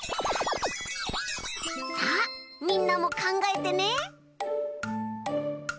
さあみんなもかんがえてね。